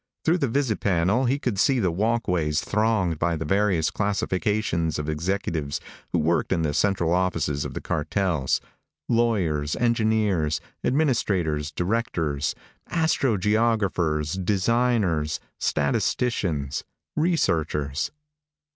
Through the visipanel he could see the walk ways thronged by the various classifications of executives who worked in the central offices of the cartels lawyers, engineers, administrators, directors, astrogeographers, designers, statisticians, researchers.